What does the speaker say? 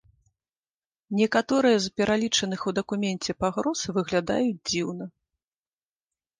Некаторыя з пералічаных у дакуменце пагроз выглядаюць дзіўна.